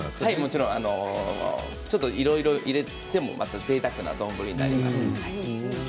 もちろんいろいろ入れてもぜいたくな丼になります。